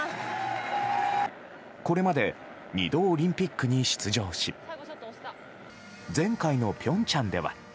これまで２度オリンピックに出場し前回の平昌では。